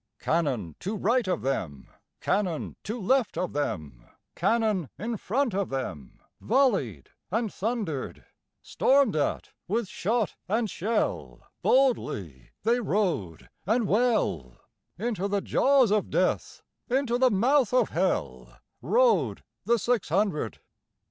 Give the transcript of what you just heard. Cannon to right of them, Cannon to left of them, Cannon in front of themVolley'd and thunder'd; Storm'd at with shot and shell, Boldly they rode and well, Into the jaws of Death, Into the mouth of HellRode the six hundred.